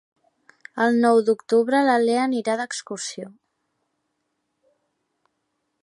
El nou d'octubre na Lea anirà d'excursió.